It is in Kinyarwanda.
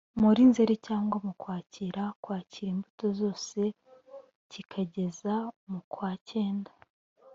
muri nzeri cyangwa mu kwakira kwakira imbuto zose kikageza mukwakenda